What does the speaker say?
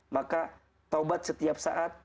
maka taubat setiap saat